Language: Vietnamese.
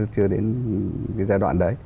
chưa đến cái giai đoạn đấy